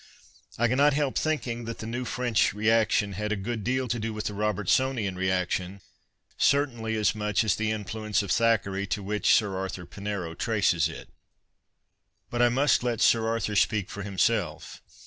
I cannot help thinking that the new French reaction had a gooil ileal to do with the 26fi PASTICHE AND PREJUDICE Robertsonian reaction, certainly as mucli as the influence of Thackeray to which Sir Arthur Pinero traces it. But I must let Sir Arthur speak for himself.